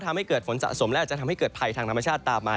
ทำให้เกิดฝนสะสมและอาจจะทำให้เกิดภัยทางธรรมชาติตามมา